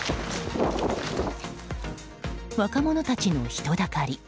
若者たちの人だかり。